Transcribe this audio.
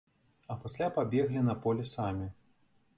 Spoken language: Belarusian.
А пасля пабеглі на поле самі!